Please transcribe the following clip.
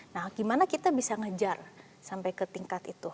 nah gimana kita bisa ngejar sampai ke tingkat itu